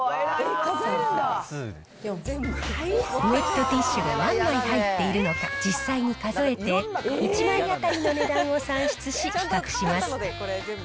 ウエットティッシュが何枚入っているのか、実際に数えて、１枚当たりの値段を算出し、比較します。